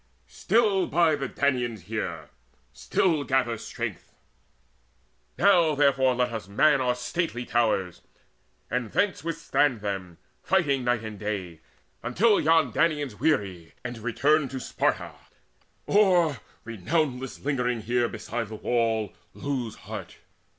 Still bide the Danaans here, still gather strength: Now therefore let us man our stately towers, And thence withstand them, fighting night and day, Until yon Danaans weary, and return To Sparta, or, renownless lingering here Beside the wall, lose heart.